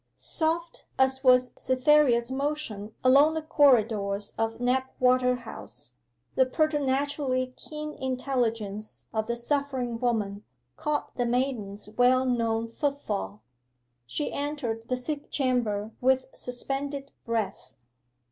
Soft as was Cytherea's motion along the corridors of Knapwater House, the preternaturally keen intelligence of the suffering woman caught the maiden's well known footfall. She entered the sick chamber with suspended breath.